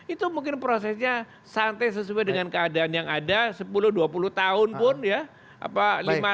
itu mungkin prosesnya santai sesuai dengan keadaan yang ada sepuluh dua puluh tahun pun ya